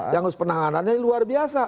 yang harus penahanannya luar biasa